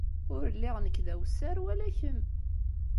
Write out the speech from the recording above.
Ur lliɣ nekk d awessar wala kemm.